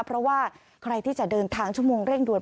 เพราะว่าใครที่จะเดินทางชั่วโมงเร่งด่วน